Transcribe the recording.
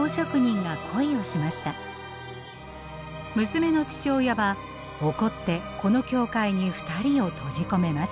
娘の父親は怒ってこの教会に２人を閉じ込めます。